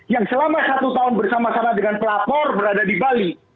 yang selama satu tahun bersama sama dengan pelapor berada di bali